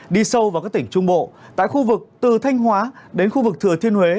đi sâu vào các tỉnh trung bộ tại khu vực từ thanh hóa đến khu vực thừa thiên huế